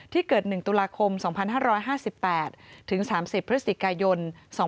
เกิด๑ตุลาคม๒๕๕๘ถึง๓๐พฤศจิกายน๒๕๖